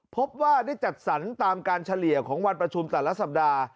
พบว่าได้จัดสรรตามการเฉลี่ยของวันประชุมแต่ละสัปดาห์